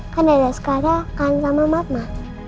kan dada askaran akan sama mama